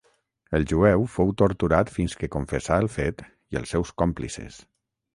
El jueu fou torturat fins que confessà el fet i els seus còmplices.